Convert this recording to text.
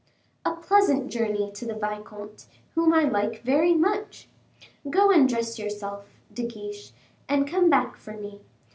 "A pleasant journey to the vicomte, whom I like very much. Go and dress yourself, De Guiche, and come back for me.